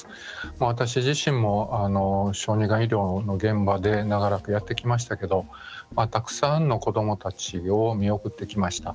私自身も小児がん医療の現場で長らくやってきましたけどたくさんの子どもたちを見送ってきました。